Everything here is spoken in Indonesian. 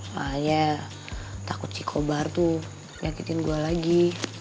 soalnya takut si kobar tuh nyakitin gue lagi